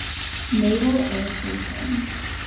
Naval Air Station.